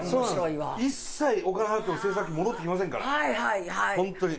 一切お金払っても制作費戻ってきませんから本当に。